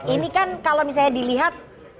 ini kan kalau misalnya dilihat